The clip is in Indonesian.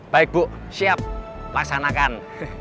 baik bu siap laksanakan